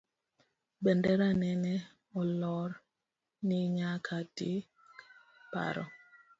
Bendera nene olor, ni nyaka dik paro